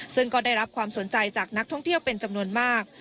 ซึ่งก็ได้รับความสนใจจากนักท่องเที่ยวเป็นจำนวนมาก